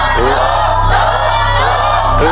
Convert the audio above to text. ตัวเลือกที่๔